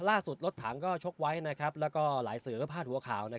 ล่าสุดรถถังก็ชกไว้นะครับแล้วก็หลายเสือพาดหัวข่าวนะครับ